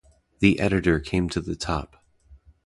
The editor came to the top.